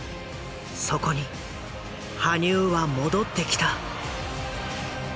そこに羽生は戻ってきた。